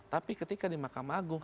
tapi ketika di mahkamah agung